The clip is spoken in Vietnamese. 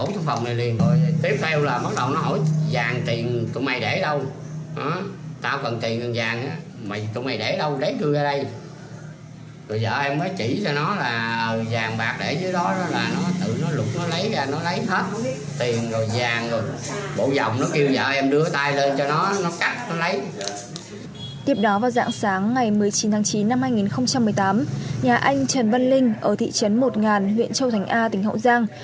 tiếp đó vào dạng sáng ngày một mươi chín tháng chín năm hai nghìn một mươi tám nhà anh trần văn linh ở thị trấn một ngàn huyện châu thành a tỉnh hậu giang